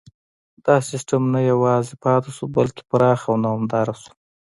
دا سیستم نه یوازې پاتې شو بلکې پراخ او دوامداره شو.